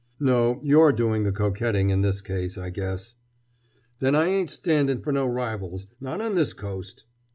"No, you're doing the coquetting in this case, I guess!" "Then I ain't standin' for no rivals—not on this coast!"